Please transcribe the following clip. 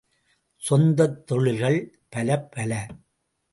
சொந்தத் தொழில்கள் பலப்பல!